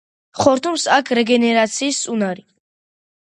ხორთუმს აქვს რეგენერაციის უნარი.